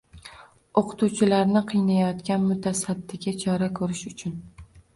o‘qituvchilarni qiynayotgan mutasaddiga chora ko‘rish uchun